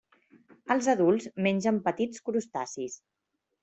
Els adults mengen petits crustacis.